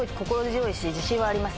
自信はあります。